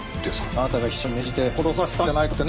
あなたが秘書に命じて殺させたんじゃないかってね。